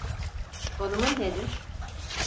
Konumun nedir?